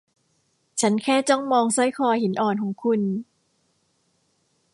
ฉันแค่จ้องมองสร้อยคอหินอ่อนของคุณ